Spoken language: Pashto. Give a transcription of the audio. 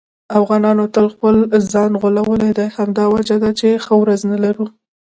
افغانانو تل خپل ځان غولولی دی. همدا وجه ده چې ښه ورځ نه لرو.